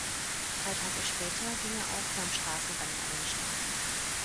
Drei Tage später ging er auch beim Straßenrennen an den Start.